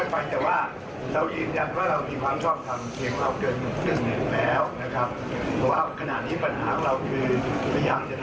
เพราะฉะนั้นคุณบอกเตรียมไปแล้วว่ารัฐบาลนี้เป็นรัฐบาลพิเศษ